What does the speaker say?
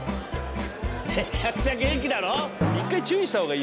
めちゃくちゃ元気だろ？